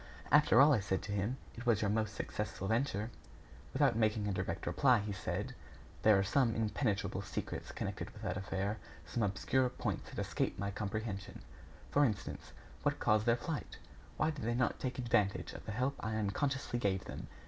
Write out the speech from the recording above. "After all," I said to him, "it was your most successful venture." Without making a direct reply, he said: "There are some impenetrable secrets connected with that affair; some obscure points that escape my comprehension. For instance: What caused their flight? Why did they not take advantage of the help I unconsciously gave them?